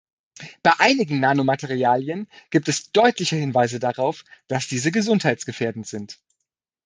Bei einigen Nanomaterialien gibt es deutliche Hinweise darauf, dass diese gesundheitsgefährdend sind.